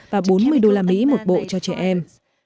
và bốn mươi đô la mỹ một bộ cho trẻ em